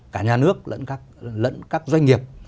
cả nhà nước lẫn các doanh nghiệp